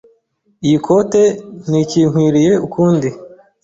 Iyi kote ntikinkwiranye ukundi.